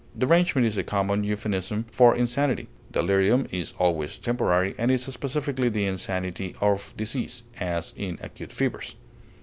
Derangement is a common euphemism for insanity. Delirium is always temporary, and is specifically the insanity of disease, as in acute fevers.